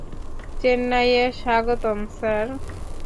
চেন্নাইয়ে স্বাগতম, স্যার।